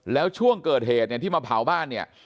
แล้วช่วงเกิดเหตุเนี่ยที่มาเผาบ้านเนี่ย